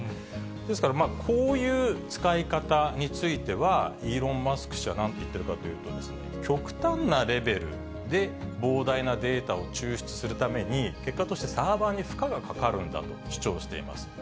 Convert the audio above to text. ですからこういう使い方については、イーロン・マスク氏はなんと言っているかといいますと、極端なレベルで膨大なデータを抽出するために、結果としてサーバーに負荷がかかるんだと主張しています。